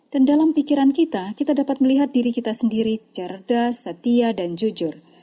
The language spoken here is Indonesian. dan dalam pikiran kita kita dapat melihat diri kita sendiri cerdas setia dan jujur